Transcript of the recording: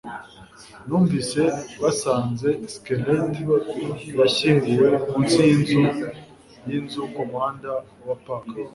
Numvise basanze skelet yashyinguwe munsi yinzu yinzu kumuhanda wa Park